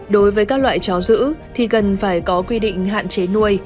đối với các loại chó giữ thì cần phải có quy định hạn chế nuôi